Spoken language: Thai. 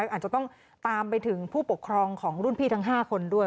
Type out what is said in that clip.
อาจจะต้องตามไปถึงผู้ปกครองของรุ่นพี่ทั้ง๕คนด้วย